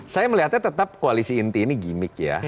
saya melihatnya tetap koalisi inti ini gimmick ya